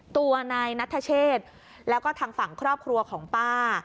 ตัวนายนัทเชษแล้วก็ทางฝั่งครอบครัวของป้า